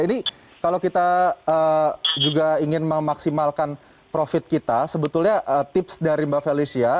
ini kalau kita juga ingin memaksimalkan profit kita sebetulnya tips dari mbak felicia